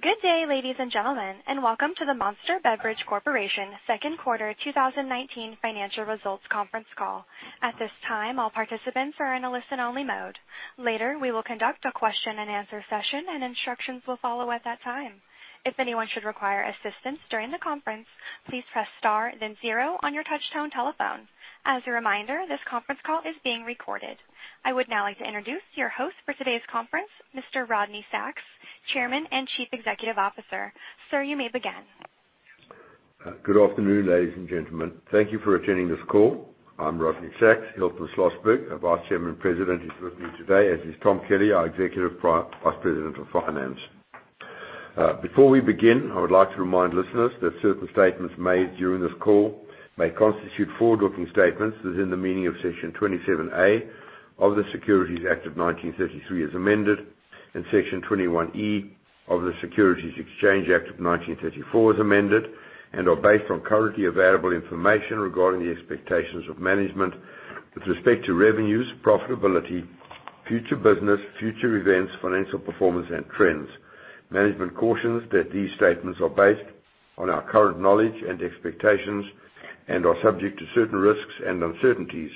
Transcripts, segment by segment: Good day, ladies and gentlemen, and welcome to the Monster Beverage Corporation second quarter 2019 financial results conference call. At this time, all participants are in a listen-only mode. Later, we will conduct a question and answer session, and instructions will follow at that time. If anyone should require assistance during the conference, please press star then zero on your touchtone telephone. As a reminder, this conference call is being recorded. I would now like to introduce your host for today's conference, Mr. Rodney Sacks, Chairman and Chief Executive Officer. Sir, you may begin. Good afternoon, ladies and gentlemen. Thank you for attending this call. I'm Rodney Sacks. Hilton Schlosberg, our Vice Chairman, President, is with me today, as is Tom Kelly, our Executive Vice President of Finance. Before we begin, I would like to remind listeners that certain statements made during this call may constitute forward-looking statements as in the meaning of Section 27A of the Securities Act of 1933 as amended, and Section 21E of the Securities Exchange Act of 1934 as amended, and are based on currently available information regarding the expectations of management with respect to revenues, profitability, future business, future events, financial performance and trends. Management cautions that these statements are based on our current knowledge and expectations and are subject to certain risks and uncertainties,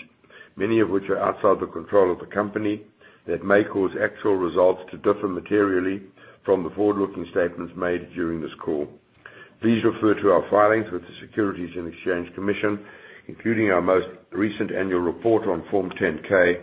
many of which are outside the control of the company that may cause actual results to differ materially from the forward-looking statements made during this call. Please refer to our filings with the Securities and Exchange Commission, including our most recent annual report on Form 10-K,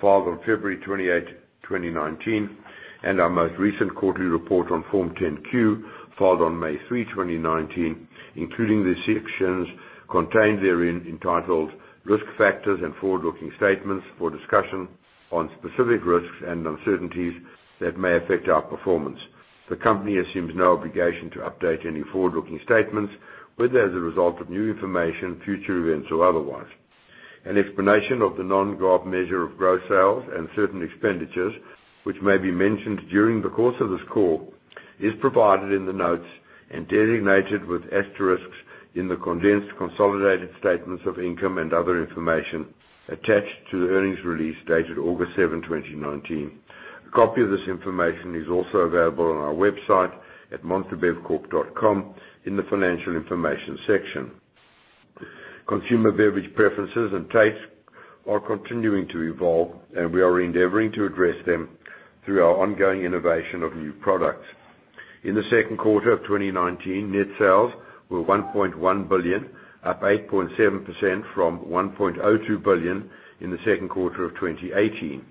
filed on February 28, 2019, and our most recent quarterly report on Form 10-Q, filed on May 3, 2019, including the sections contained therein entitled Risk Factors and Forward-Looking Statements for discussion on specific risks and uncertainties that may affect our performance. The company assumes no obligation to update any forward-looking statements, whether as a result of new information, future events, or otherwise. An explanation of the non-GAAP measure of gross sales and certain expenditures, which may be mentioned during the course of this call, is provided in the notes and designated with asterisks in the condensed consolidated statements of income and other information attached to the earnings release dated August 7, 2019. A copy of this information is also available on our website at monsterbevcorp.com in the Financial Information section. We are endeavoring to address them through our ongoing innovation of new products. In the second quarter of 2019, net sales were $1.1 billion, up 8.7% from $1.02 billion in the second quarter of 2018.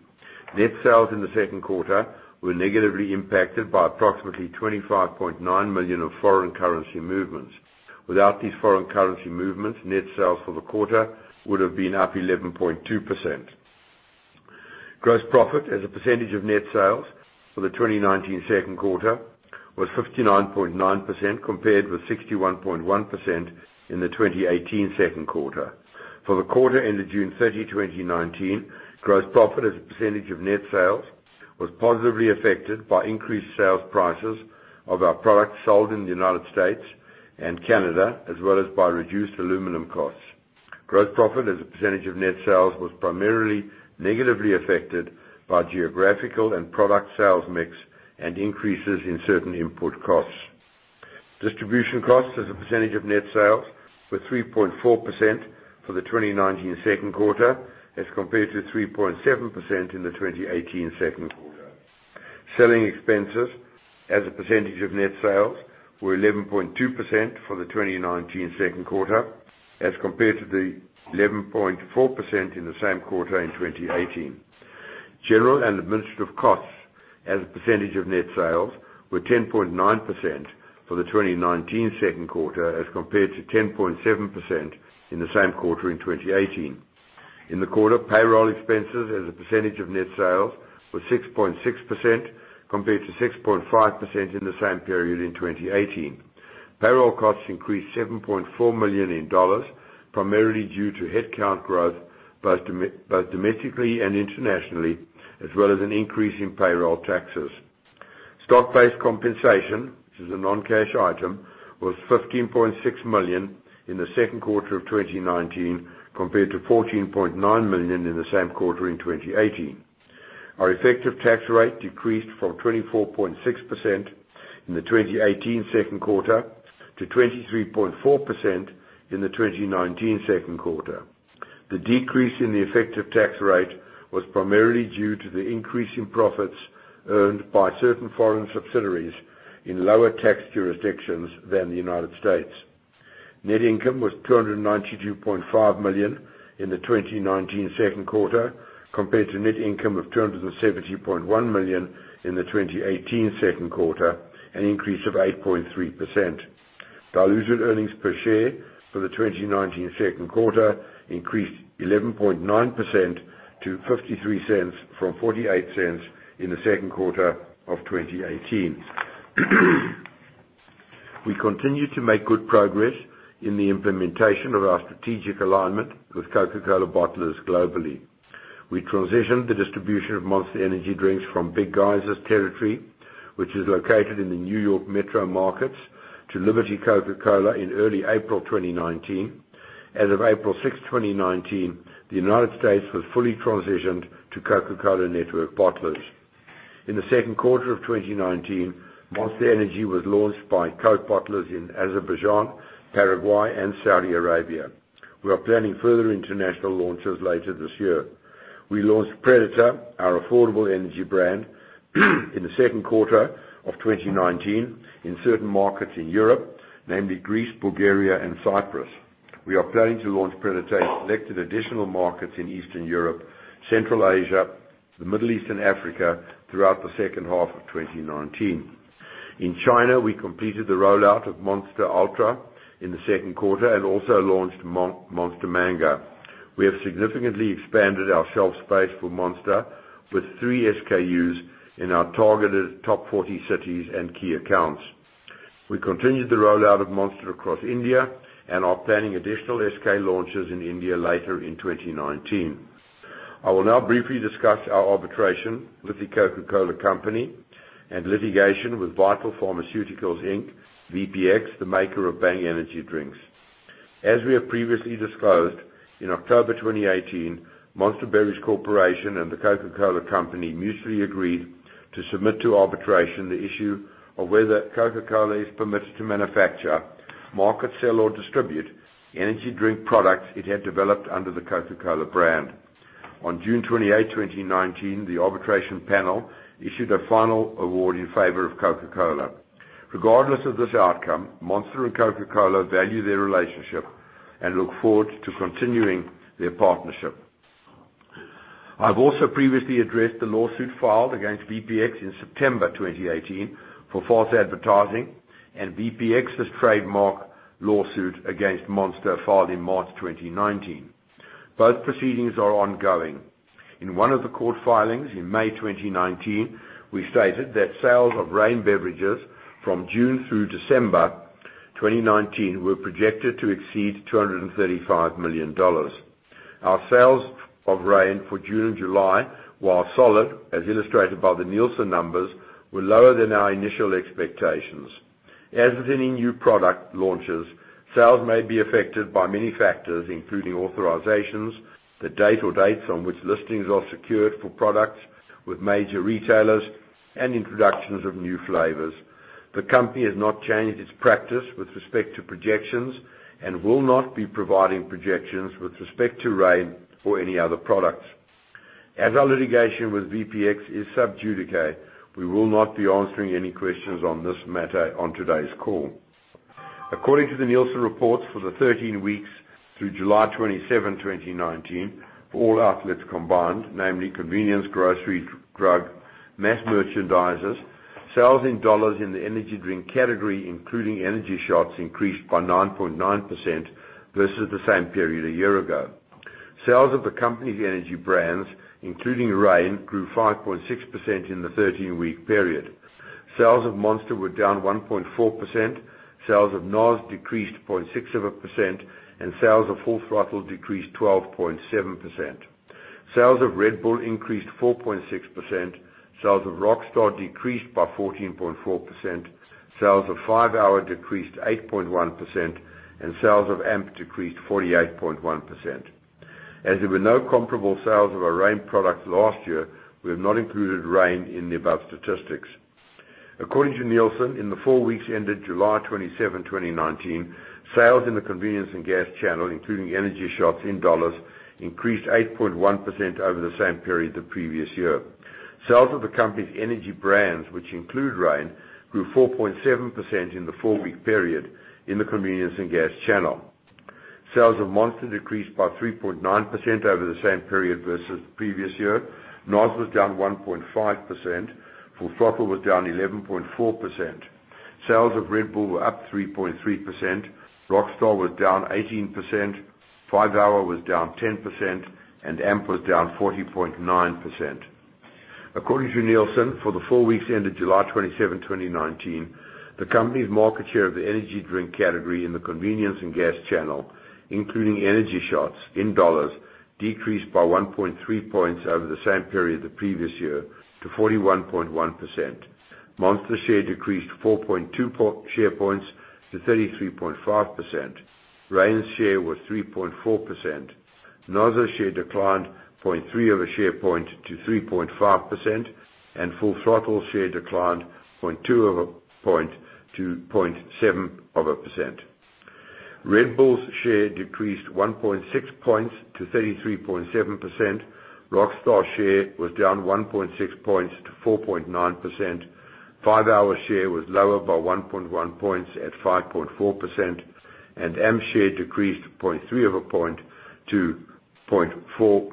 Net sales in the second quarter were negatively impacted by approximately $25.9 million of foreign currency movements. Without these foreign currency movements, net sales for the quarter would have been up 11.2%. Gross profit as a percentage of net sales for the 2019 second quarter was 59.9%, compared with 61.1% in the 2018 second quarter. For the quarter ended June 30, 2019, gross profit as a percentage of net sales was positively affected by increased sales prices of our products sold in the U.S. and Canada, as well as by reduced aluminum costs. Gross profit as a percentage of net sales was primarily negatively affected by geographical and product sales mix and increases in certain input costs. Distribution costs as a percentage of net sales were 3.4% for the 2019 second quarter as compared to 3.7% in the 2018 second quarter. Selling expenses as a percentage of net sales were 11.2% for the 2019 second quarter as compared to the 11.4% in the same quarter in 2018. General and administrative costs as a percentage of net sales were 10.9% for the 2019 second quarter, as compared to 10.7% in the same quarter in 2018. In the quarter, payroll expenses as a percentage of net sales were 6.6%, compared to 6.5% in the same period in 2018. Payroll costs increased $7.4 million, primarily due to headcount growth both domestically and internationally, as well as an increase in payroll taxes. Stock-based compensation, which is a non-cash item, was $15.6 million in the second quarter of 2019, compared to $14.9 million in the same quarter in 2018. Our effective tax rate decreased from 24.6% in the 2018 second quarter to 23.4% in the 2019 second quarter. The decrease in the effective tax rate was primarily due to the increase in profits earned by certain foreign subsidiaries in lower tax jurisdictions than the United States. Net income was $292.5 million in the 2019 second quarter, compared to net income of $270.1 million in the 2018 second quarter, an increase of 8.3%. Diluted earnings per share for the 2019 second quarter increased 11.9% to $0.53 from $0.48 in the second quarter of 2018. We continue to make good progress in the implementation of our strategic alignment with Coca-Cola bottlers globally. We transitioned the distribution of Monster Energy drinks from Big Geyser's territory, which is located in the New York metro markets, to Liberty Coca-Cola in early April 2019. As of April 6, 2019, the United States was fully transitioned to Coca-Cola Network bottlers. In the second quarter of 2019, Monster Energy was launched by Coke Bottlers in Azerbaijan, Paraguay, and Saudi Arabia. We are planning further international launches later this year. We launched Predator, our affordable energy brand, in the second quarter of 2019 in certain markets in Europe, namely Greece, Bulgaria, and Cyprus. We are planning to launch Predator in selected additional markets in Eastern Europe, Central Asia, the Middle East, and Africa throughout the second half of 2019. In China, we completed the rollout of Monster Ultra in the second quarter and also launched Monster Mango. We have significantly expanded our shelf space for Monster with three SKUs in our targeted top 40 cities and key accounts. We continued the rollout of Monster across India and are planning additional SKU launches in India later in 2019. I will now briefly discuss our arbitration with The Coca-Cola Company and litigation with Vital Pharmaceuticals, Inc., VPX, the maker of Bang energy drinks. As we have previously disclosed, in October 2018, Monster Beverage Corporation and The Coca-Cola Company mutually agreed to submit to arbitration the issue of whether Coca-Cola is permitted to manufacture, market, sell, or distribute energy drink products it had developed under the Coca-Cola brand. On June 28, 2019, the arbitration panel issued a final award in favor of Coca-Cola. Regardless of this outcome, Monster and Coca-Cola value their relationship and look forward to continuing their partnership. I've also previously addressed the lawsuit filed against VPX in September 2018 for false advertising and VPX's trademark lawsuit against Monster, filed in March 2019. Both proceedings are ongoing. In one of the court filings in May 2019, we stated that sales of Reign beverages from June through December 2019 were projected to exceed $235 million. Our sales of Reign for June and July, while solid, as illustrated by the Nielsen numbers, were lower than our initial expectations. As with any new product launches, sales may be affected by many factors, including authorizations, the date or dates on which listings are secured for products with major retailers, and introductions of new flavors. The company has not changed its practice with respect to projections and will not be providing projections with respect to Reign or any other product. As our litigation with VPX is sub judice, we will not be answering any questions on this matter on today's call. According to the Nielsen reports, for the 13 weeks through July 27, 2019, for all outlets combined, namely convenience, grocery, drug, mass merchandisers, sales in dollars in the energy drink category, including energy shots, increased by 9.9% versus the same period a year ago. Sales of the company's energy brands, including REIGN, grew 5.6% in the 13-week period. Sales of Monster were down 1.4%, sales of NOS decreased 0.6%, and sales of Full Throttle decreased 12.7%. Sales of Red Bull increased 4.6%, sales of Rockstar decreased by 14.4%, sales of 5-Hour decreased 8.1%, and sales of AMP decreased 48.1%. As there were no comparable sales of our REIGN product last year, we have not included REIGN in the above statistics. According to Nielsen, in the four weeks ended July 27, 2019, sales in the convenience and gas channel, including energy shots in dollars, increased 8.1% over the same period the previous year. Sales of the company's energy brands, which include REIGN, grew 4.7% in the four-week period in the convenience and gas channel. Sales of Monster decreased by 3.9% over the same period versus the previous year. NOS was down 1.5%. Full Throttle was down 11.4%. Sales of Red Bull were up 3.3%. Rockstar was down 18%, 5-Hour was down 10%, and AMP was down 40.9%. According to Nielsen, for the four weeks ended July 27, 2019, the company's market share of the energy drink category in the convenience and gas channel, including energy shots in dollars, decreased by 1.3 points over the same period the previous year to 41.1%. Monster share decreased 4.2 share points to 33.5%. Reign's share was 3.4%. NOS's share declined 0.3 of a share point to 3.5%, and Full Throttle share declined 0.2 of a point to 0.7 of a percent. Red Bull's share decreased 1.6 points to 33.7%. Rockstar share was down 1.6 points to 4.9%. 5-Hour share was lower by 1.1 points at 5.4%, and AMP share decreased 0.3 of a point to 0.4%.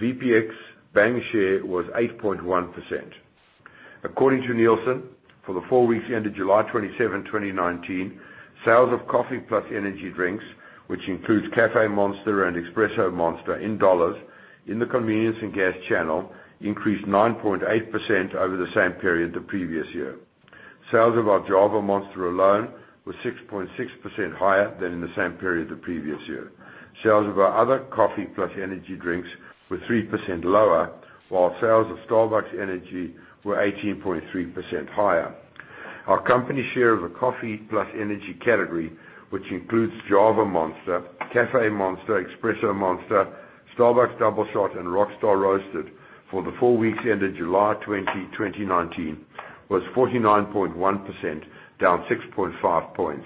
VPX Bang share was 8.1%. According to Nielsen, for the four weeks ended July 27, 2019, sales of coffee plus energy drinks, which includes Caffé Monster and Espresso Monster in dollars in the convenience and gas channel, increased 9.8% over the same period the previous year. Sales of our Java Monster alone were 6.6% higher than in the same period the previous year. Sales of our other coffee plus energy drinks were 3% lower, while sales of Starbucks Energy were 18.3% higher. Our company share of the coffee plus energy category, which includes Java Monster, Caffé Monster, Espresso Monster, Starbucks DoubleShot, and Rockstar Roasted for the four weeks ended July 20, 2019, was 49.1%, down 6.5 points.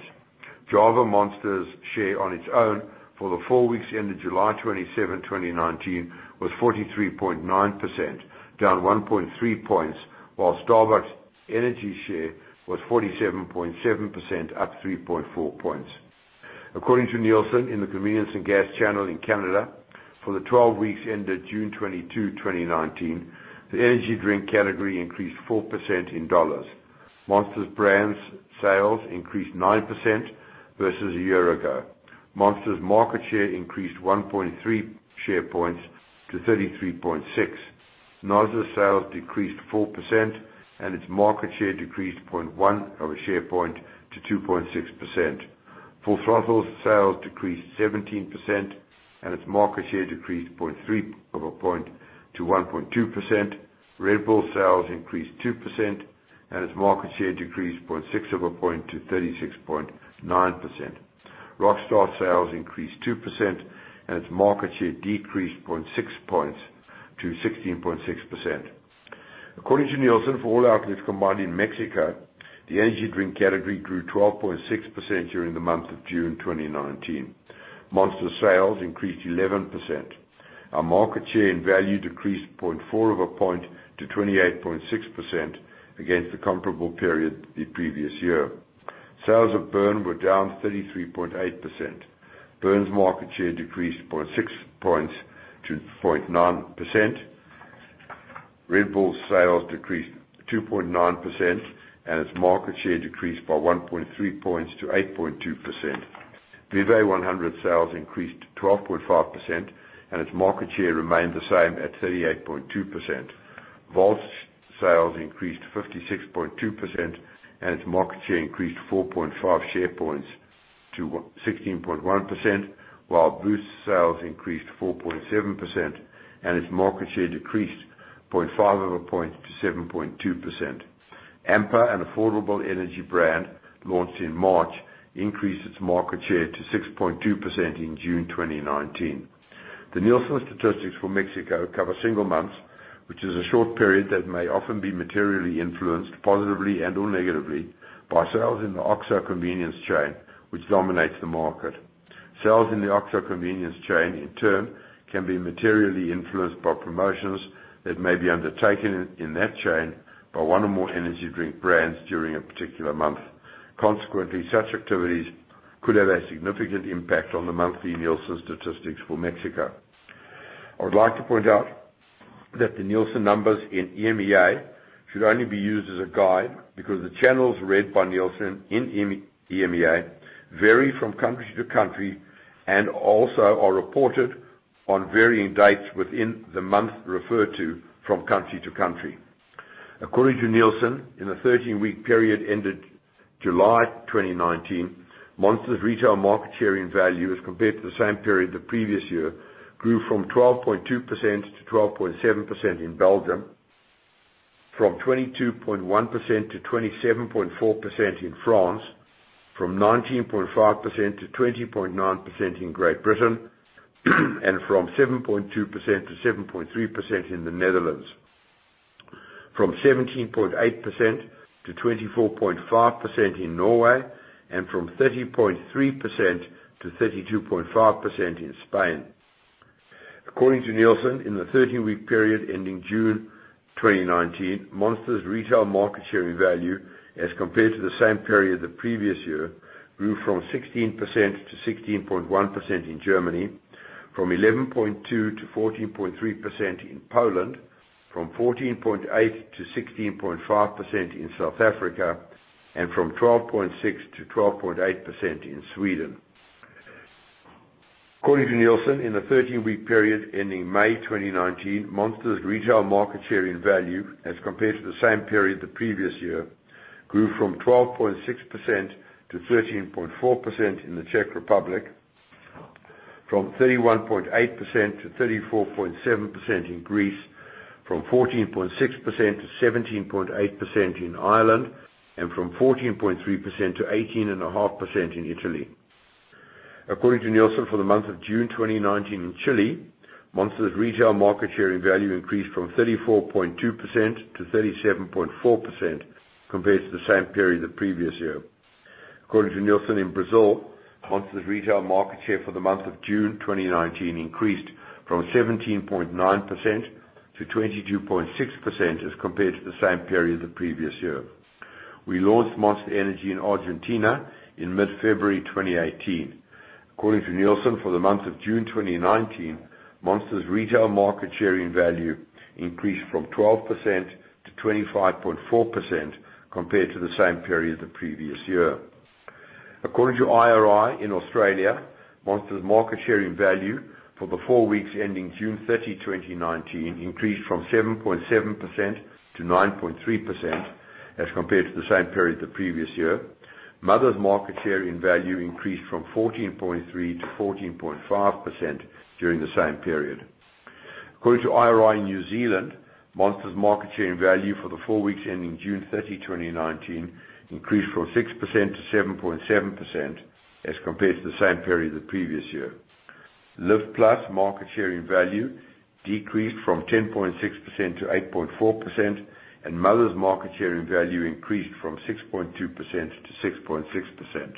Java Monster's share on its own for the four weeks ended July 27, 2019, was 43.9%, down 1.3 points, while Starbucks Energy share was 47.7% up 3.4 points. According to Nielsen, in the convenience and gas channel in Canada, for the 12 weeks ended June 22, 2019, the energy drink category increased 4% in dollars. Monster's brands sales increased 9% versus a year ago. Monster's market share increased 1.3 share points to 33.6. NOS's sales decreased 4%, and its market share decreased 0.1 of a share point to 2.6%. Full Throttle's sales decreased 17%, and its market share decreased 0.3 of a point to 1.2%. Red Bull sales increased 2%, and its market share decreased 0.6 of a point to 36.9%. Rockstar sales increased 2%, and its market share decreased 0.6 points to 16.6%. According to Nielsen, for all outlets combined in Mexico, the energy drink category grew 12.6% during the month of June 2019. Monster sales increased 11%. Our market share and value decreased 0.4 of a point to 28.6% against the comparable period the previous year. Sales of Burn were down 33.8%. Burn's market share decreased 0.6 points to 0.9%. Red Bull sales decreased 2.9%, and its market share decreased by 1.3 points to 8.2%. Vive 100 sales increased 12.5%, and its market share remained the same at 38.2%. Volt's sales increased 56.2%, and its market share increased 4.5 share points to 16.1%, while Boost sales increased 4.7%, and its market share decreased 0.5 of a point to 7.2%. Amper, an affordable energy brand launched in March, increased its market share to 6.2% in June 2019. The Nielsen statistics for Mexico cover single months, which is a short period that may often be materially influenced positively and/or negatively by sales in the OXXO convenience chain, which dominates the market. Sales in the OXXO convenience chain, in turn, can be materially influenced by promotions that may be undertaken in that chain by one or more energy drink brands during a particular month. Consequently, such activities could have a significant impact on the monthly Nielsen statistics for Mexico. I would like to point out that the Nielsen numbers in EMEA should only be used as a guide because the channels read by Nielsen in EMEA vary from country to country and also are reported on varying dates within the month referred to from country to country. According to Nielsen, in the 13-week period ended July 2019, Monster's retail market share and value as compared to the same period the previous year grew from 12.2%-12.7% in Belgium, from 22.1%-27.4% in France, from 19.5%-20.9% in Great Britain, and from 7.2%-7.3% in the Netherlands, from 17.8%-24.5% in Norway, and from 30.3%-32.5% in Spain. According to Nielsen, in the 13-week period ending June 2019, Monster's retail market share and value, as compared to the same period the previous year, grew from 16%-16.1% in Germany, from 11.2%-14.3% in Poland, from 14.8%-16.5% in South Africa, and from 12.6%-12.8% in Sweden. According to Nielsen, in the 13-week period ending May 2019, Monster's retail market share and value, as compared to the same period the previous year, grew from 12.6% to 13.4% in the Czech Republic, from 31.8% to 34.7% in Greece, from 14.6% to 17.8% in Ireland, and from 14.3% to 18.5% in Italy. According to Nielsen, for the month of June 2019 in Chile, Monster's retail market share and value increased from 34.2% to 37.4% compared to the same period the previous year. According to Nielsen in Brazil, Monster's retail market share for the month of June 2019 increased from 17.9% to 22.6% as compared to the same period the previous year. We launched Monster Energy in Argentina in mid-February 2018. According to Nielsen, for the month of June 2019, Monster's retail market share and value increased from 12% to 25.4% compared to the same period the previous year. According to IRI in Australia, Monster's market share and value for the four weeks ending June 30, 2019, increased from 7.7% to 9.3% as compared to the same period the previous year. Mother's market share and value increased from 14.3% to 14.5% during the same period. According to IRI New Zealand, Monster's market share in value for the four weeks ending June 30, 2019, increased from 6% to 7.7% as compared to the same period the previous year. LIVE+ market share in value decreased from 10.6% to 8.4%, and Mother's market share in value increased from 6.2% to 6.6%.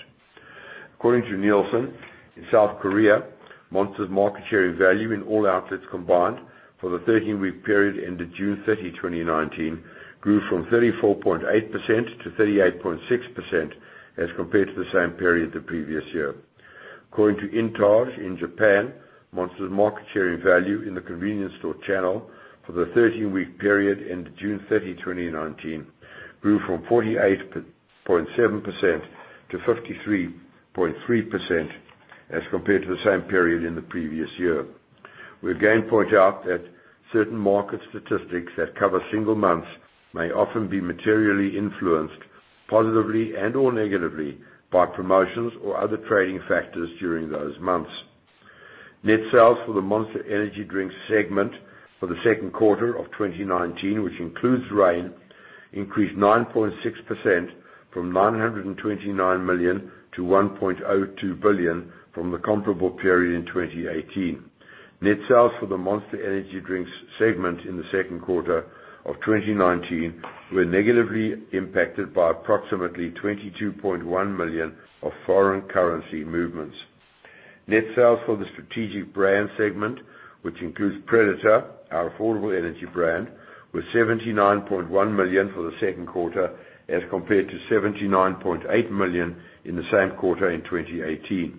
According to Nielsen, in South Korea, Monster's market share in value in all outlets combined for the 13-week period ended June 30, 2019, grew from 34.8% to 38.6% as compared to the same period the previous year. According to INTAGE in Japan, Monster's market share in value in the convenience store channel for the 13-week period ended June 30, 2019, grew from 48.7% to 53.3% as compared to the same period in the previous year. We again point out that certain market statistics that cover single months may often be materially influenced, positively and/or negatively, by promotions or other trading factors during those months. Net sales for the Monster Energy drinks segment for the second quarter of 2019, which includes Reign, increased 9.6% from $929 million to $1.02 billion from the comparable period in 2018. Net sales for the Monster Energy drinks segment in the second quarter of 2019 were negatively impacted by approximately $22.1 million of foreign currency movements. Net sales for the strategic brand segment, which includes Predator, our affordable energy brand, were $79.1 million for the second quarter, as compared to $79.8 million in the same quarter in 2018.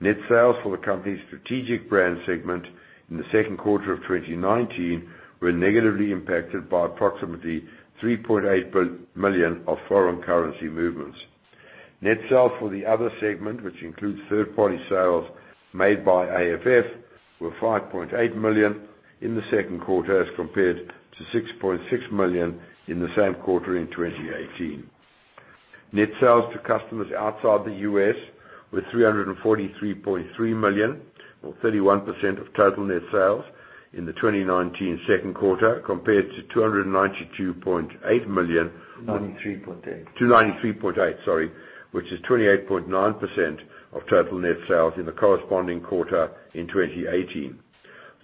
Net sales for the company's strategic brand segment in the second quarter of 2019 were negatively impacted by approximately $3.8 million of foreign currency movements. Net sales for the other segment, which includes third-party sales made by AFF, were $5.8 million in the second quarter, as compared to $6.6 million in the same quarter in 2018. Net sales to customers outside the U.S. were $343.3 million, or 31% of total net sales, in the 2019 second quarter, compared to $292.8 million- 93.8. 293.8, sorry, which is 28.9% of total net sales in the corresponding quarter in 2018.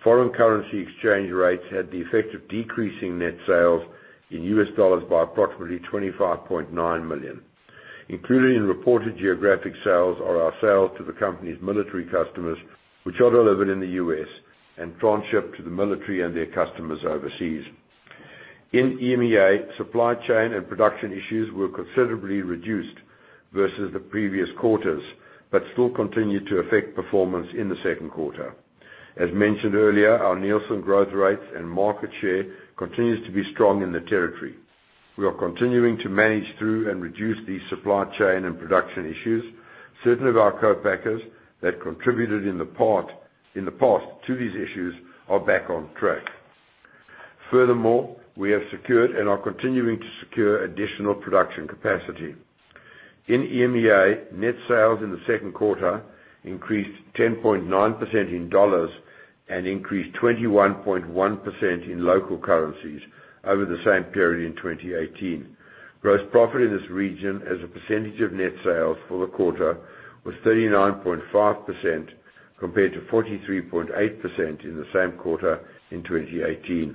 Foreign currency exchange rates had the effect of decreasing net sales in U.S. dollars by approximately $25.9 million. Included in reported geographic sales are our sales to the company's military customers, which are delivered in the U.S. and transshipped to the military and their customers overseas. In EMEA, supply chain and production issues were considerably reduced versus the previous quarters, but still continued to affect performance in the second quarter. As mentioned earlier, our Nielsen growth rates and market share continues to be strong in the territory. We are continuing to manage through and reduce these supply chain and production issues. Certain of our co-packers that contributed in the past to these issues are back on track. We have secured and are continuing to secure additional production capacity. In EMEA, net sales in the second quarter increased 10.9% in U.S. dollars and increased 21.1% in local currencies over the same period in 2018. Gross profit in this region as a percentage of net sales for the quarter was 39.5% compared to 43.8% in the same quarter in 2018.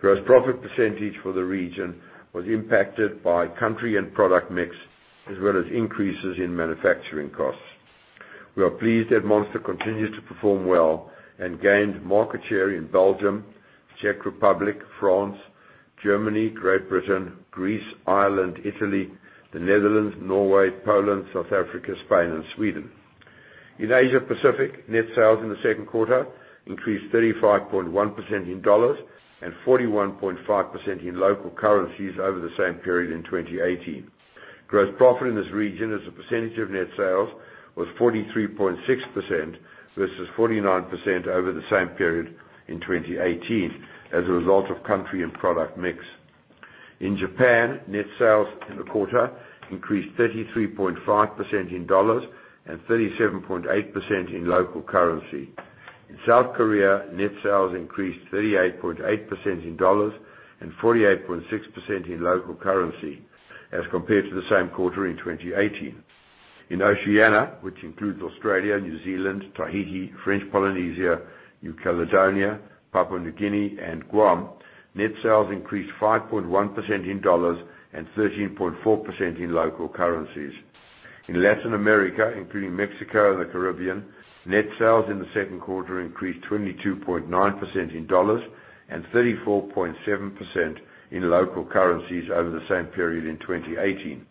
Gross profit percentage for the region was impacted by country and product mix, as well as increases in manufacturing costs. We are pleased that Monster continues to perform well and gained market share in Belgium, Czech Republic, France, Germany, Great Britain, Greece, Ireland, Italy, the Netherlands, Norway, Poland, South Africa, Spain, and Sweden. In Asia Pacific, net sales in the second quarter increased 35.1% in U.S. dollars and 41.5% in local currencies over the same period in 2018. Gross profit in this region as a percentage of net sales was 43.6% versus 49% over the same period in 2018 as a result of country and product mix. In Japan, net sales in the quarter increased 33.5% in dollars and 37.8% in local currency. In South Korea, net sales increased 38.8% in dollars and 48.6% in local currency as compared to the same quarter in 2018. In Oceania, which includes Australia, New Zealand, Tahiti, French Polynesia, New Caledonia, Papua New Guinea, and Guam, net sales increased 5.1% in dollars and 13.4% in local currencies. In Latin America, including Mexico and the Caribbean, net sales in the second quarter increased 22.9% in dollars and 34.7% in local currencies over the same period in 2018.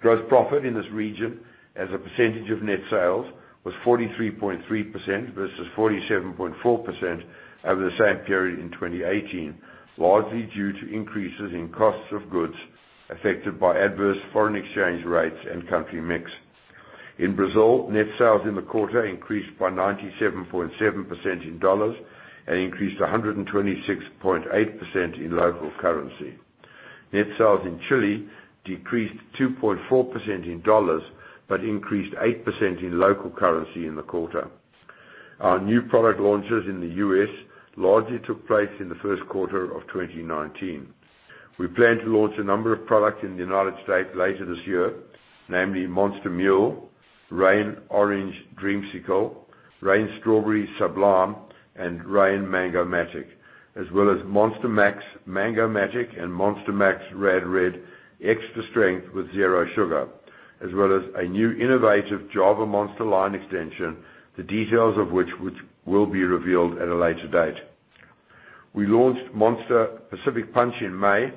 Gross profit in this region as a percentage of net sales was 43.3% versus 47.4% over the same period in 2018, largely due to increases in costs of goods affected by adverse foreign exchange rates and country mix. In Brazil, net sales in the quarter increased by 97.7% in U.S. dollars and increased 126.8% in local currency. Net sales in Chile decreased 2.4% in U.S. dollars, but increased 8% in local currency in the quarter. Our new product launches in the U.S. largely took place in the first quarter of 2019. We plan to launch a number of products in the United States later this year, namely Monster Mule, Reign Orange Dreamsicle, Reign Strawberry Sublime, and Reign Mang-O-Matic, as well as Monster Maxx Mango Matic and Monster Maxx Rad Red Extra Strength with zero sugar, as well as a new innovative Java Monster line extension, the details of which will be revealed at a later date. We launched Monster Pacific Punch in May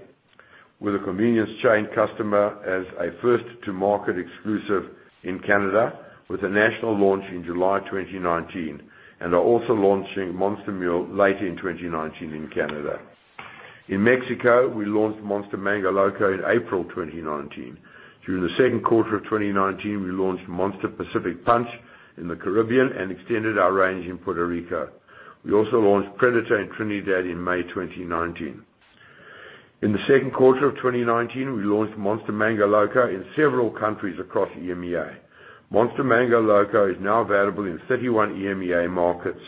with a convenience chain customer as a first-to-market exclusive in Canada, with a national launch in July 2019, and are also launching Monster Mule later in 2019 in Canada. In Mexico, we launched Monster Mango Loco in April 2019. During the second quarter of 2019, we launched Monster Pacific Punch in the Caribbean and extended our range in Puerto Rico. We also launched Predator in Trinidad in May 2019. In the second quarter of 2019, we launched Monster Mango Loco in several countries across EMEA. Monster Mango Loco is now available in 31 EMEA markets.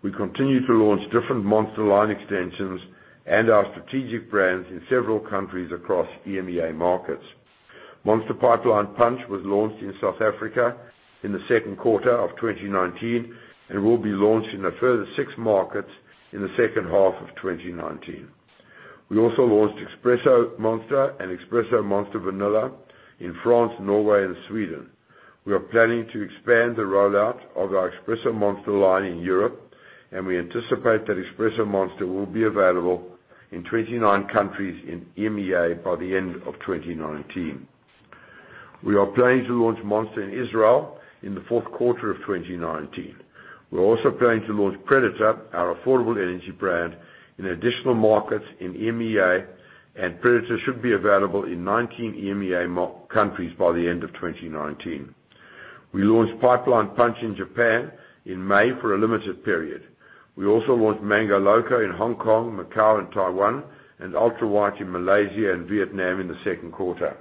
We continue to launch different Monster line extensions and our strategic brands in several countries across EMEA markets. Monster Pipeline Punch was launched in South Africa in the second quarter of 2019, and will be launched in a further six markets in the second half of 2019. We also launched Espresso Monster and Espresso Monster Vanilla in France, Norway, and Sweden. We are planning to expand the rollout of our Espresso Monster line in Europe, and we anticipate that Espresso Monster will be available in 29 countries in EMEA by the end of 2019. We are planning to launch Monster in Israel in the fourth quarter of 2019. We are also planning to launch Predator, our affordable energy brand, in additional markets in EMEA, and Predator should be available in 19 EMEA countries by the end of 2019. We launched Pipeline Punch in Japan in May for a limited period. We also launched Mango Loco in Hong Kong, Macau, and Taiwan, and Ultra White in Malaysia and Vietnam in the second quarter.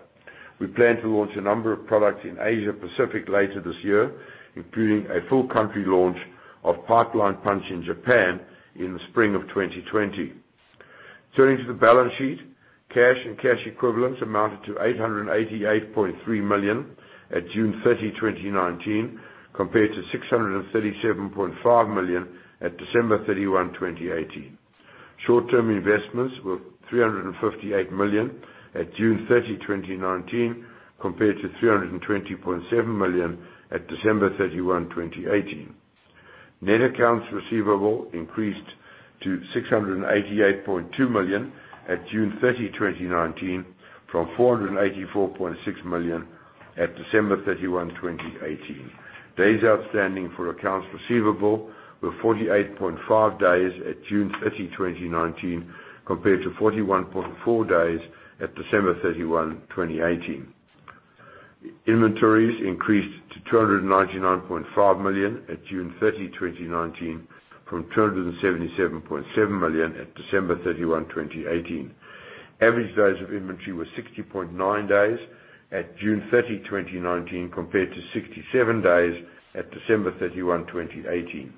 We plan to launch a number of products in Asia Pacific later this year, including a full country launch of Pipeline Punch in Japan in the spring of 2020. Turning to the balance sheet: cash and cash equivalents amounted to $888.3 million at June 30, 2019, compared to $637.5 million at December 31, 2018. Short-term investments were $358 million at June 30, 2019, compared to $320.7 million at December 31, 2018. Net accounts receivable increased to $688.2 million at June 30, 2019, from $484.6 million at December 31, 2018. Days outstanding for accounts receivable were 48.5 days at June 30, 2019, compared to 41.4 days at December 31, 2018. Inventories increased to $299.5 million at June 30, 2019, from $277.7 million at December 31, 2018. Average days of inventory were 60.9 days at June 30, 2019, compared to 67 days at December 31, 2018.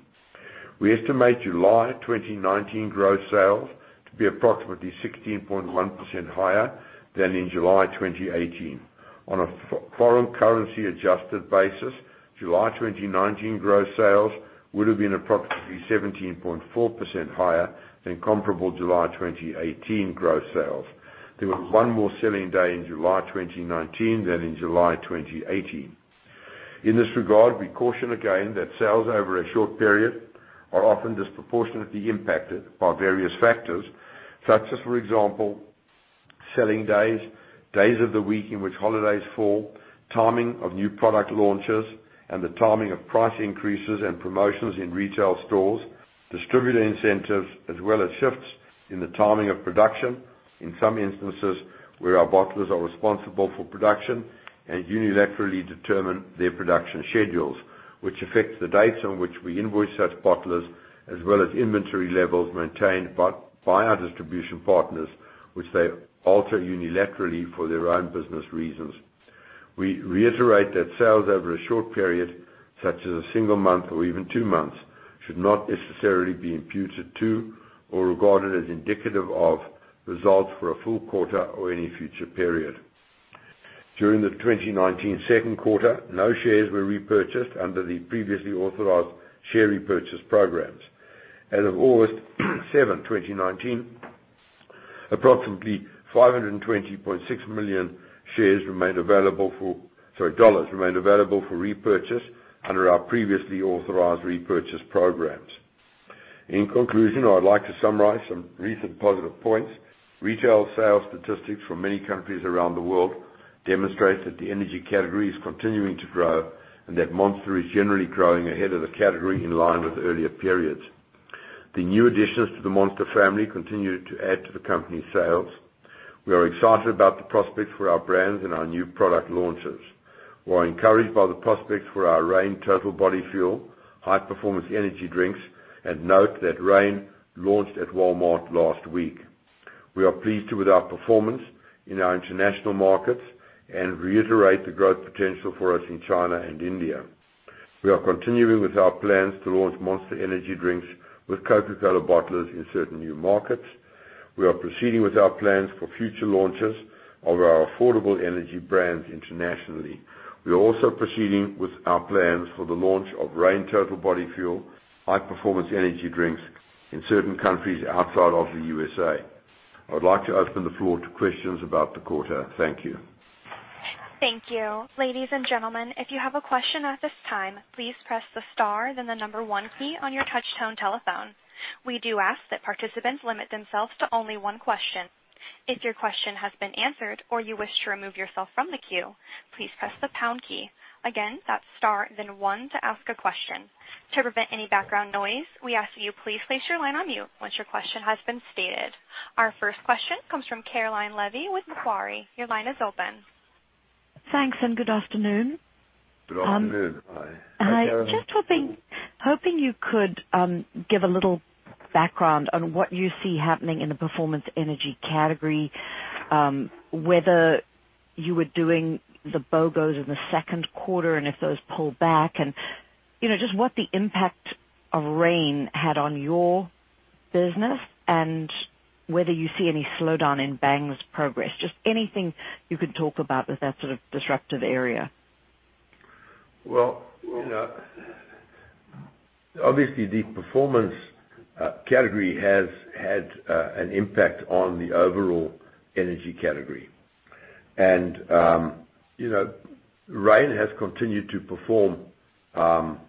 We estimate July 2019 gross sales to be approximately 16.1% higher than in July 2018. On a foreign currency adjusted basis, July 2019 gross sales would have been approximately 17.4% higher than comparable July 2018 gross sales. There was one more selling day in July 2019 than in July 2018. In this regard, we caution again that sales over a short period are often disproportionately impacted by various factors, such as for example, selling days of the week in which holidays fall, timing of new product launches, and the timing of price increases and promotions in retail stores, distributor incentives, as well as shifts in the timing of production, in some instances where our bottlers are responsible for production and unilaterally determine their production schedules, which affects the dates on which we invoice such bottlers, as well as inventory levels maintained by our distribution partners, which they alter unilaterally for their own business reasons. We reiterate that sales over a short period, such as a single month or even two months, should not necessarily be imputed to or regarded as indicative of results for a full quarter or any future period. During the 2019 second quarter, no shares were repurchased under the previously authorized share repurchase programs. As of August 7, 2019, approximately $520.6 million remained available for repurchase under our previously authorized repurchase programs. In conclusion, I would like to summarize some recent positive points. Retail sales statistics from many countries around the world demonstrate that the energy category is continuing to grow, and that Monster is generally growing ahead of the category in line with earlier periods. The new additions to the Monster family continue to add to the company's sales. We are excited about the prospects for our brands and our new product launches. We're encouraged by the prospects for our REIGN Total Body Fuel high-performance energy drinks and note that REIGN launched at Walmart last week. We are pleased with our performance in our international markets and reiterate the growth potential for us in China and India. We are continuing with our plans to launch Monster energy drinks with Coca-Cola bottlers in certain new markets. We are proceeding with our plans for future launches of our affordable energy brands internationally. We are also proceeding with our plans for the launch of REIGN Total Body Fuel high-performance energy drinks in certain countries outside of the U.S.A. I would like to open the floor to questions about the quarter. Thank you. Thank you. Ladies and gentlemen, if you have a question at this time, please press the star, then the number 1 key on your touchtone telephone. We do ask that participants limit themselves to only one question. If your question has been answered or you wish to remove yourself from the queue, please press the pound key. Again, that's star then one to ask a question. To prevent any background noise, we ask that you please place your line on mute once your question has been stated. Our first question comes from Caroline Levy with Macquarie. Your line is open. Thanks, and good afternoon. Good afternoon. Hi. I'm just hoping you could give a little background on what you see happening in the performance energy category, whether you were doing the BOGOs in the second quarter, and if those pull back and just what the impact of REIGN had on your business and whether you see any slowdown in Bang's progress. Just anything you can talk about with that sort of disruptive area. Obviously, the performance category has had an impact on the overall energy category. REIGN has continued to perform up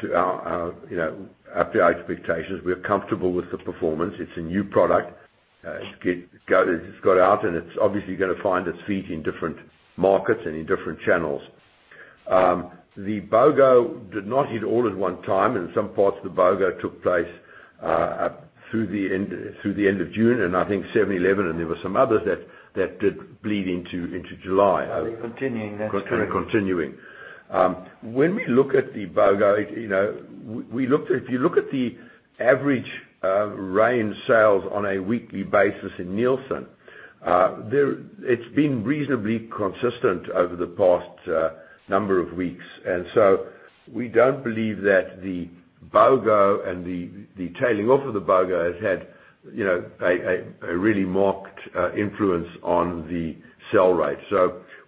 to our expectations. We are comfortable with the performance. It's a new product. It's got out, and it's obviously going to find its feet in different markets and in different channels. The BOGO did not hit all at one time. In some parts, the BOGO took place through the end of June and I think 7-Eleven and there were some others that did bleed into July. They're continuing that trend. They're continuing. When we look at the BOGO, if you look at the average REIGN sales on a weekly basis in Nielsen, it's been reasonably consistent over the past number of weeks. We don't believe that the BOGO and the tailing off of the BOGO has had a really marked influence on the sell rate.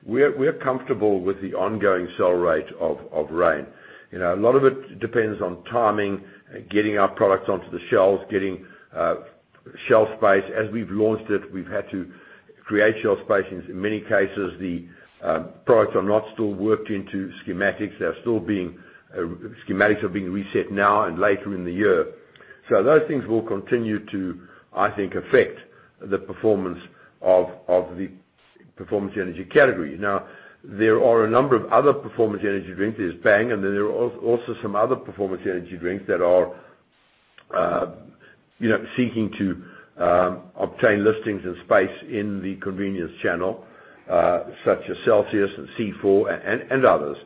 We're comfortable with the ongoing sell rate of REIGN. A lot of it depends on timing, getting our products onto the shelves, getting shelf space. As we've launched it, we've had to create shelf space. In many cases, the products are not still worked into schematics. Schematics are being reset now and later in the year. Those things will continue to, I think, affect the performance of the performance energy category. There are a number of other performance energy drinks. There's Bang, and then there are also some other performance energy drinks that are seeking to obtain listings and space in the convenience channel, such as CELSIUS and C4 and others.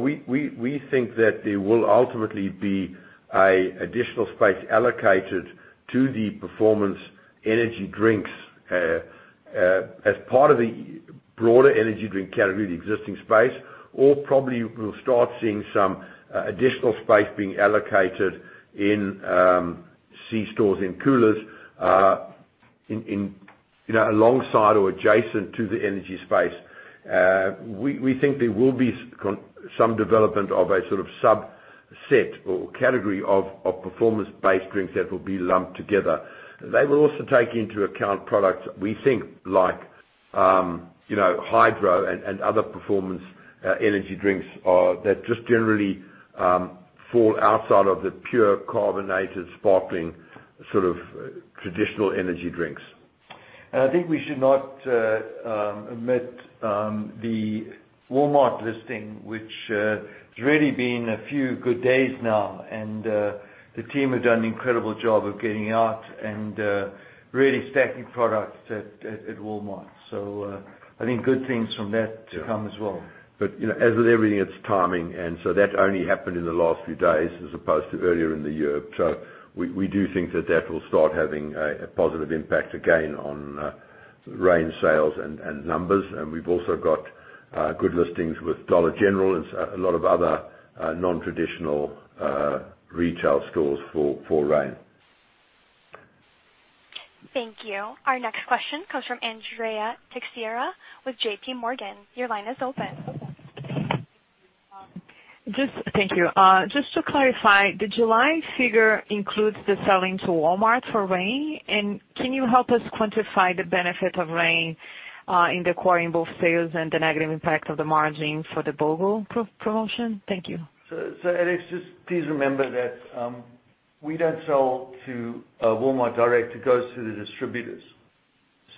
We think that there will ultimately be additional space allocated to the performance energy drinks as part of the broader energy drink category, the existing space, or probably we'll start seeing some additional space being allocated in C stores in coolers, alongside or adjacent to the energy space. We think there will be some development of a sort of subset or category of performance-based drinks that will be lumped together. They will also take into account products, we think, like Hydro and other performance energy drinks that just generally fall outside of the pure carbonated, sparkling, sort of traditional energy drinks. I think we should not omit the Walmart listing, which has really been a few good days now, and the team have done an incredible job of getting out and really stacking products at Walmart. I think good things from that to come as well. As with everything, it's timing. That only happened in the last few days as opposed to earlier in the year. We do think that that will start having a positive impact again on REIGN sales and numbers. We've also got good listings with Dollar General and a lot of other non-traditional retail stores for REIGN. Thank you. Our next question comes from Andrea Teixeira with JPMorgan. Your line is open. Thank you. Just to clarify, the July figure includes the selling to Walmart for REIGN? Can you help us quantify the benefit of REIGN in the acquiring both sales and the negative impact of the margin for the BOGO promotion? Thank you. Alex, just please remember that we don't sell to Walmart direct. It goes through the distributors.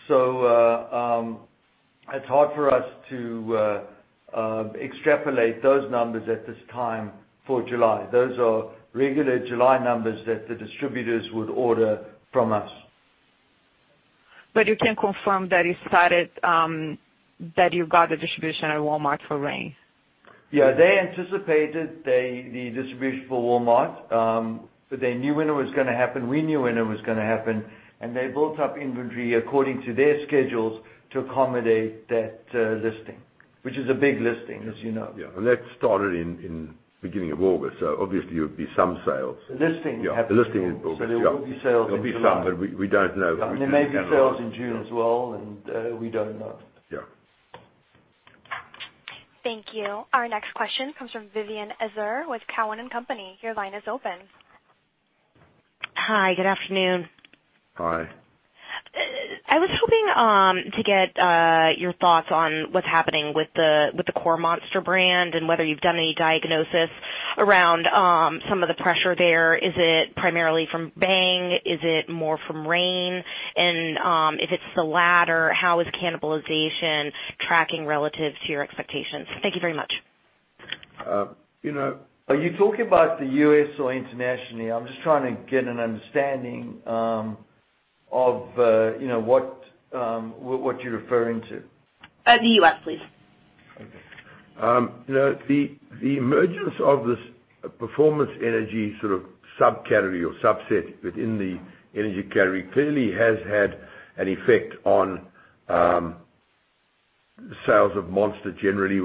It's hard for us to extrapolate those numbers at this time for July. Those are regular July numbers that the distributors would order from us. You can confirm that you got the distribution at Walmart for Reign? Yeah. They anticipated the distribution for Walmart. They knew when it was going to happen, we knew when it was going to happen, and they built up inventory according to their schedules to accommodate that listing, which is a big listing, as you know. Yeah. That started in beginning of August, so obviously there would be some sales. The listing happened. Yeah. The listing. There will be sales in July. There'll be some, but we don't know. There may be sales in June as well, and we don't know. Yeah. Thank you. Our next question comes from Vivien Azer with Cowen and Company. Your line is open. Hi. Good afternoon. Hi. I was hoping to get your thoughts on what's happening with the core Monster brand and whether you've done any diagnosis around some of the pressure there. Is it primarily from Bang? Is it more from Reign? If it's the latter, how is cannibalization tracking relative to your expectations? Thank you very much. Are you talking about the U.S. or internationally? I'm just trying to get an understanding of what you're referring to. The U.S., please. The emergence of this performance energy sort of subcategory or subset within the energy category clearly has had an effect on sales of Monster generally,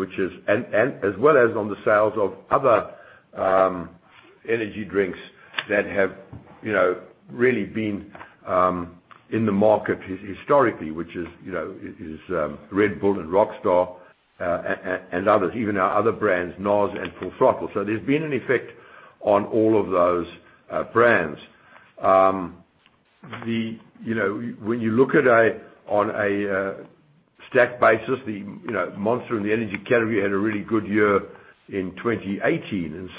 and as well as on the sales of other energy drinks that have really been in the market historically, which is Red Bull and Rockstar, and others, even our other brands, NOS and Full Throttle. There's been an effect on all of those brands. When you look on a stack basis, Monster in the energy category had a really good year in 2018.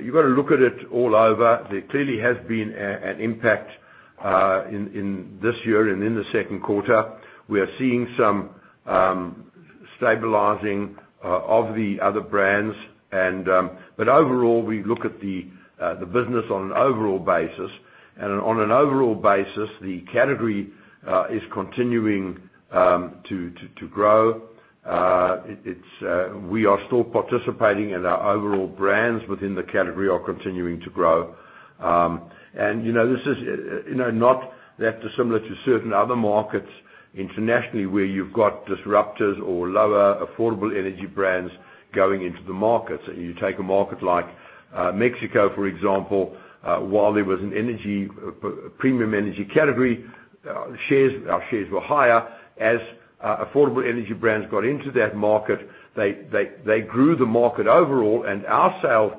You've got to look at it all over. There clearly has been an impact in this year and in the second quarter. We are seeing some stabilizing of the other brands. Overall, we look at the business on an overall basis, and on an overall basis, the category is continuing to grow. We are still participating, and our overall brands within the category are continuing to grow. This is not that dissimilar to certain other markets internationally where you've got disruptors or lower affordable energy brands going into the markets. You take a market like Mexico, for example. While there was a premium energy category, our shares were higher. As affordable energy brands got into that market, they grew the market overall, and our sales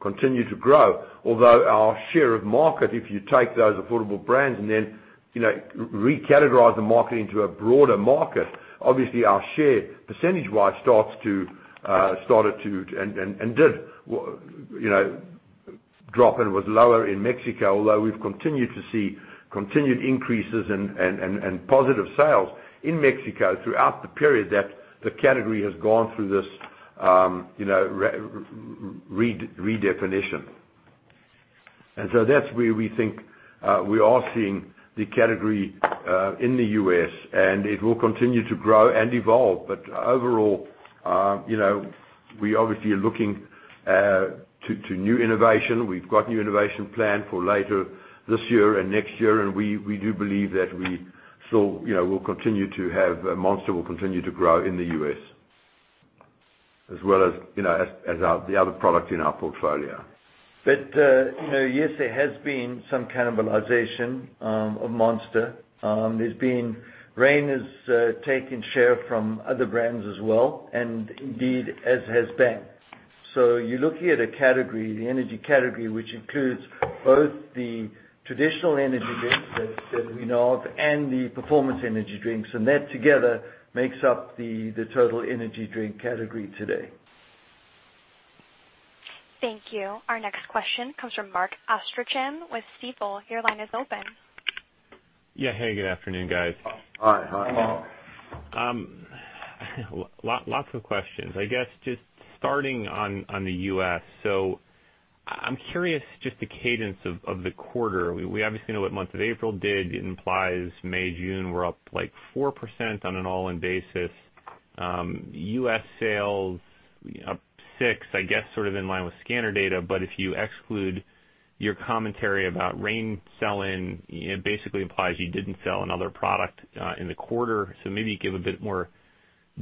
continued to grow. Our share of market, if you take those affordable brands and then recategorize the market into a broader market, obviously our share percentage-wise started to and did drop and was lower in Mexico. We've continued to see continued increases and positive sales in Mexico throughout the period that the category has gone through this redefinition. That is where we think we are seeing the category in the U.S., and it will continue to grow and evolve. Overall, we obviously are looking to new innovation. We've got new innovation planned for later this year and next year, and we do believe that Monster will continue to grow in the U.S., as well as the other products in our portfolio. Yes, there has been some cannibalization of Monster. Reign has taken share from other brands as well, and indeed, as has Bang. You're looking at a category, the energy category, which includes both the traditional energy drinks that we know of and the performance energy drinks, and that together makes up the total energy drink category today. Thank you. Our next question comes from Mark Astrachan with Stifel. Your line is open. Yeah. Hey, good afternoon, guys. Hi. Hello. Lots of questions. I guess just starting on the U.S. I'm curious, just the cadence of the quarter. We obviously know what month of April did. It implies May, June were up 4% on an all-in basis. U.S. sales up 6%, I guess sort of in line with scanner data, but if you exclude your commentary about Reign selling, it basically implies you didn't sell another product in the quarter. Maybe give a bit more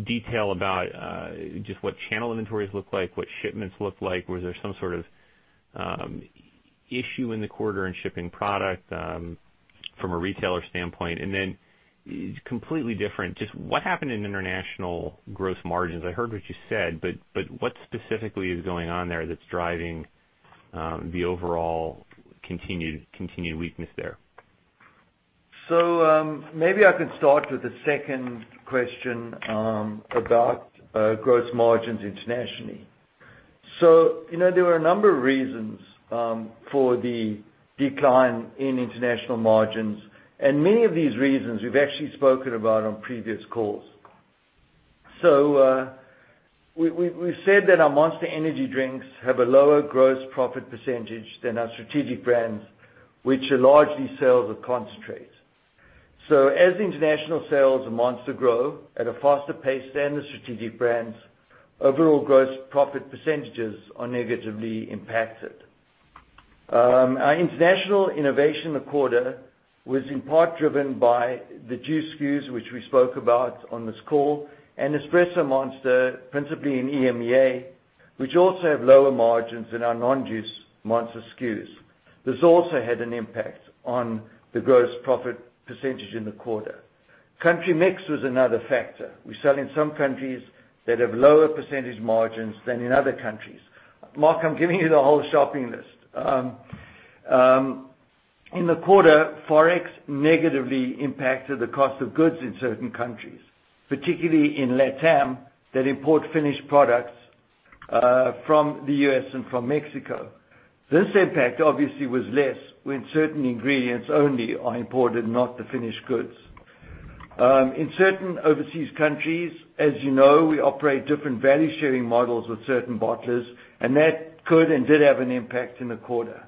detail about just what channel inventories look like, what shipments look like. Was there some sort of issue in the quarter in shipping product from a retailer standpoint? Completely different, just what happened in international gross margins? I heard what you said, but what specifically is going on there that's driving the overall continued weakness there? Maybe I can start with the second question about gross margins internationally. There were a number of reasons for the decline in international margins, and many of these reasons we've actually spoken about on previous calls. We've said that our Monster Energy drinks have a lower gross profit percentage than our strategic brands, which are largely sales of concentrates. As international sales of Monster grow at a faster pace than the strategic brands, overall gross profit percentages are negatively impacted. Our international innovation quarter was in part driven by the juice SKUs, which we spoke about on this call, and Espresso Monster, principally in EMEA, which also have lower margins than our non-juice Monster SKUs. This also had an impact on the gross profit percentage in the quarter. Country mix was another factor. We sell in some countries that have lower percentage margins than in other countries. Mark, I'm giving you the whole shopping list. In the quarter, Forex negatively impacted the cost of goods in certain countries, particularly in LATAM, that import finished products from the U.S. and from Mexico. This impact obviously was less when certain ingredients only are imported, not the finished goods. In certain overseas countries, as you know, we operate different value-sharing models with certain bottlers, that could and did have an impact in the quarter.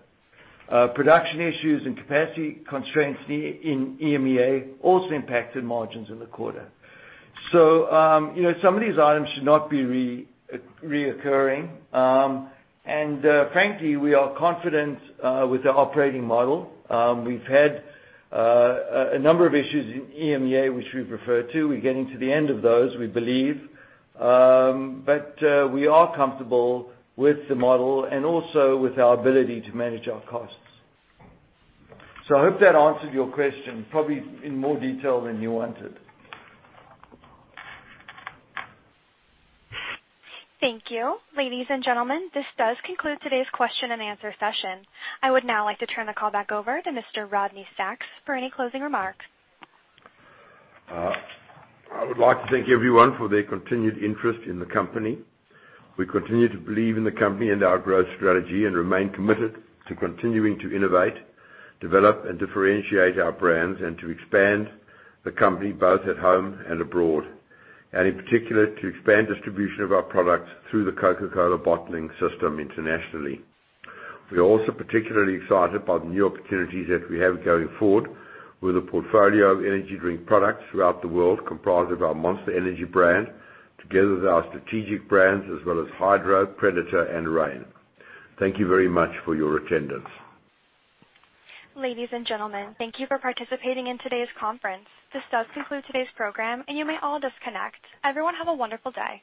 Production issues and capacity constraints in EMEA also impacted margins in the quarter. Some of these items should not be reoccurring. Frankly, we are confident with the operating model. We've had a number of issues in EMEA, which we've referred to. We're getting to the end of those, we believe. We are comfortable with the model and also with our ability to manage our costs. I hope that answered your question, probably in more detail than you wanted. Thank you. Ladies and gentlemen, this does conclude today's question and answer session. I would now like to turn the call back over to Mr. Rodney Sacks for any closing remarks. I would like to thank everyone for their continued interest in the company. We continue to believe in the company and our growth strategy and remain committed to continuing to innovate, develop, and differentiate our brands and to expand the company both at home and abroad. In particular, to expand distribution of our products through the Coca-Cola bottling system internationally. We are also particularly excited by the new opportunities that we have going forward with a portfolio of energy drink products throughout the world, comprised of our Monster Energy brand, together with our strategic brands, as well as Hydro, Predator, and Reign. Thank you very much for your attendance. Ladies and gentlemen, thank you for participating in today's conference. This does conclude today's program, and you may all disconnect. Everyone, have a wonderful day.